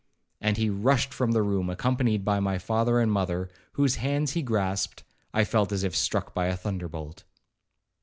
And as he rushed from the room, accompanied by my father and mother, whose hands he grasped, I felt as if struck by a thunderbolt.